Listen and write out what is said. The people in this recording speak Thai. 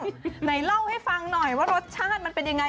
นี่ก็ให้เล่าให้ฟังหน่อยรสชาติมันเป็นยังไง